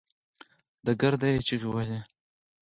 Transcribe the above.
درګرده يې چيغې وهلې.